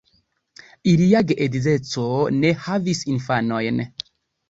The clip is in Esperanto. Ilia geedzeco ne havis infanojn.